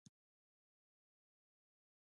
د سولې لپاره څه شی اړین دی؟